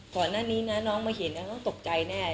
ก่อนหน้านี้นะน้องมาเห็นต้องตกใจแน่